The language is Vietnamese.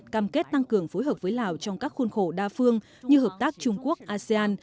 cam kết tăng cường phối hợp với lào trong các khuôn khổ đa phương như hợp tác trung quốc asean